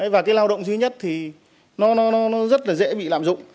và cái lao động duy nhất thì nó rất là dễ bị lạm dụng